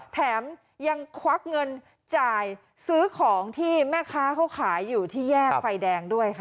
แถมยังควักเงินจ่ายซื้อของที่แม่ค้าเขาขายอยู่ที่แยกไฟแดงด้วยค่ะ